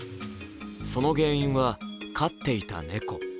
その原因は、飼っていた猫。